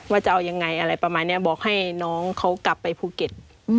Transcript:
จะเอายังไงอะไรประมาณนี้บอกให้น้องเขากลับไปภูเก็ต